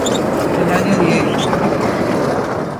Eladio Diéguez.